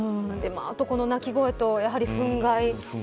あとこの鳴き声とふん害。